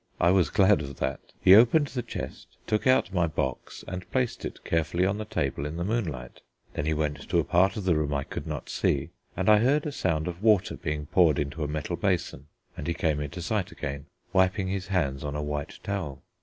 I was glad of that. He opened the chest, took out my box, and placed it carefully on the table in the moonlight. Then he went to a part of the room I could not see, and I heard a sound of water being poured into a metal basin, and he came into sight again, wiping his hands on a white towel.